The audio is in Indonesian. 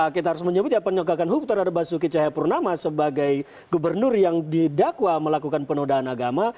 kita harus menyebut ya penegakan hukum terhadap basuki cahayapurnama sebagai gubernur yang didakwa melakukan penodaan agama